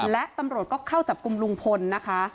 และตำรวจก็เข้าจับกลุ่มลุงพลนะคะ